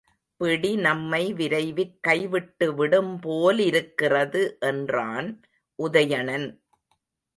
பிடி நம்மை விரைவிற் கைவிட்டுவிடும் போலிருக்கிறது என்றான் உதயணன்.